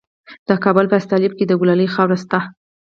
د کابل په استالف کې د کلالي خاوره شته.